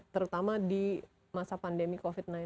terutama di masa pandemi covid sembilan belas